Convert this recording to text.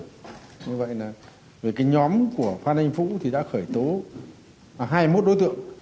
như vậy là nhóm của phan văn anh vũ đã khởi tố hai mươi một đối tượng